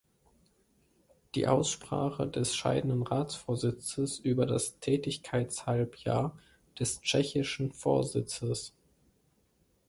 Die Aussprache des scheidenden Ratsvorsitzes über das Tätigkeitshalbjahr des tschechischen Vorsitzes.